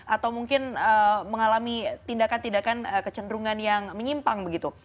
atau mungkin mengalami tindakan tindakan kecenderungan yang menyimpang begitu